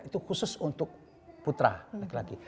itu khusus untuk putra laki laki